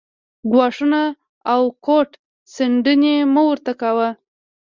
ګواښونه او ګوت څنډنې مه ورته کاوه